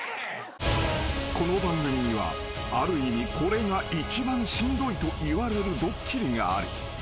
［この番組にはある意味これが一番しんどいといわれるドッキリがある］